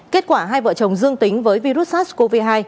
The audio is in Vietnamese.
kết quả hai vợ chồng dương tính với virus sars cov hai